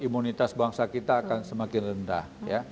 imunitas bangsa kita akan semakin rendah